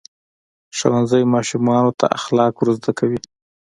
ښوونځی ماشومانو ته اخلاق ورزده کوي.